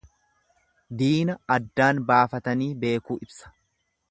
Diina addaan baafatanii beekuu ibsa.